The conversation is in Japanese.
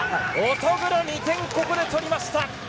乙黒、２点ここで取りました。